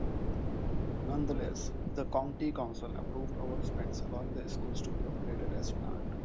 Nonetheless, the county council approved overspends allowing the schools to be upgraded as planned.